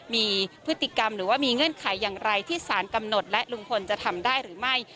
มีพฤติกรรมหรือว่ามีเงื่อนไขอย่างไรที่สารกำหนดและลุงพลจะทำได้หรือไม่